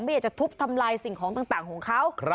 อยากจะทุบทำลายสิ่งของต่างของเขา